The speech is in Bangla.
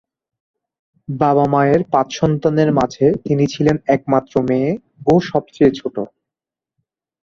বাবা মায়ের পাঁচ সন্তানের মাঝে তিনি ছিলেন একমাত্র মেয়ে ও সবচেয়ে ছোট।